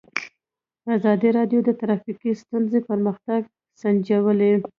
ازادي راډیو د ټرافیکي ستونزې پرمختګ سنجولی.